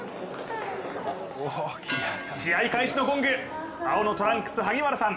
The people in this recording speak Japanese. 試合開始のゴング青のトランクス、萩原さん。